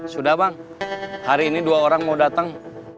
sudah bang hari ini dua orang mau datang